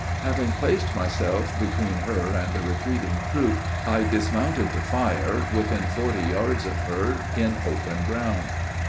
Having placed myself between her and the retreating troop, I dismounted to fire, within forty yards of her, in open ground.